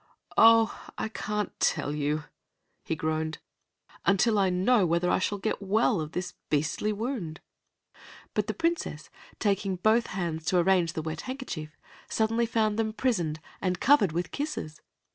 "Oh, I can't tell you," he groaned, "until I know whether I shall get well of this beastly wound." But the Princess, taking both hands to arrange the wet handkerchief, suddenly found them prisoned and covered with kisses.